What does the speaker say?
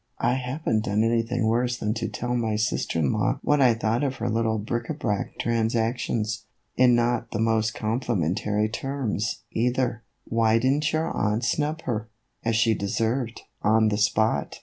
" I have n't done anything worse than to tell my sister in law what I thought of her little bric a brac transactions, in not the most complimentary terms, either. Why did n't your aunt snub her, as she deserved, on the spot